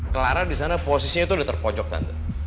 clara disana posisinya tuh udah terpojok tante